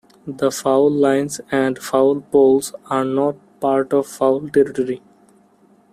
The foul lines and foul poles are not part of foul territory.